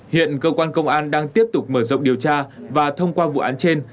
hiện cơ quan công an đang tiếp tục mở rộng điều tra và thông qua vụ án trên